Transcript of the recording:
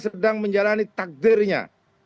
sedang menjalani takdirnya